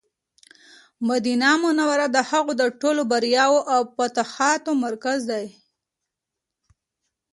مدینه منوره د هغوی د ټولو بریاوو او فتوحاتو مرکز و.